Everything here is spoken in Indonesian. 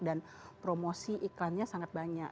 dan promosi iklannya sangat banyak